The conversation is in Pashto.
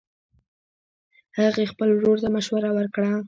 هغې خپل ورور ته مشوره ورکړه